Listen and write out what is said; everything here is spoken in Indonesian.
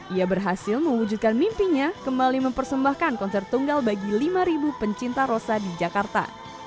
ia berhasil mewujudkan mimpinya kembali mempersembahkan konser tunggal bagi lima pencinta rosa di jakarta